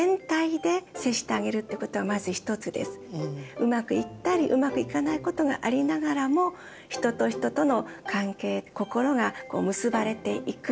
うまくいったりうまくいかないことがありながらも人と人との関係心が結ばれていく。